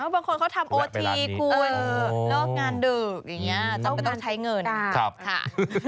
บางคนเขาทำโอทีคุณเลิกงานดึกอย่างนี้จำเป็นต้องใช้เงินค่ะ